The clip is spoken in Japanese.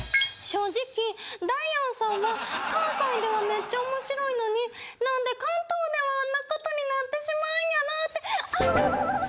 正直ダイアンさんは関西ではめっちゃおもしろいのになんで関東ではあんなことになってしまうんやろうってアハハ！